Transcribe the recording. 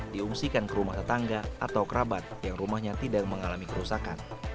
diungsikan ke rumah tetangga atau kerabat yang rumahnya tidak mengalami kerusakan